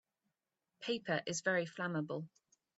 Paper is very flammable.